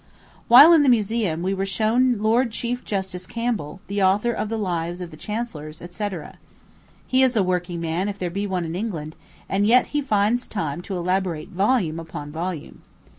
While in the museum, we were shown Lord Chief Justice Campbell, the author of the Lives of the Chancellors, &c. He is a working man, if there be one in England, and yet he finds time to elaborate volume upon volume.